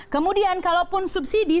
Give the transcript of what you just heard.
kemudian kalau pun subsidi